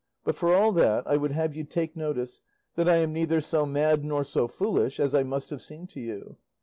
But for all that, I would have you take notice that I am neither so mad nor so foolish as I must have seemed to you.